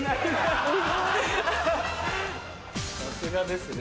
さすがですね。